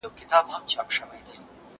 زه اوس ځواب ليکم!؟